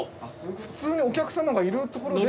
普通にお客様がいる所で。